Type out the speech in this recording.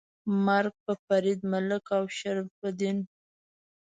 مرګ په فرید ملک او شرف الدین. 🤨